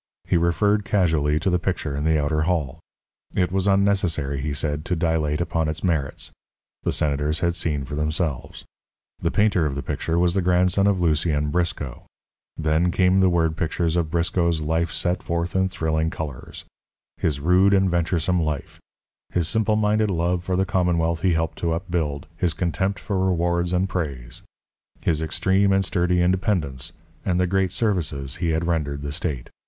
He referred casually to the picture in the outer hall it was unnecessary, he said, to dilate upon its merits the Senators had seen for themselves. The painter of the picture was the grandson of Lucien Briscoe. Then came the word pictures of Briscoe's life set forth in thrilling colours. His rude and venturesome life, his simple minded love for the commonwealth he helped to upbuild, his contempt for rewards and praise, his extreme and sturdy independence, and the great services he had rendered the state.